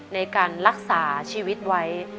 ในการรักษาชีวิตไว้